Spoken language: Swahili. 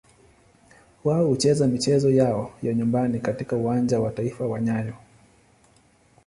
Wao hucheza michezo yao ya nyumbani katika Uwanja wa Taifa wa nyayo.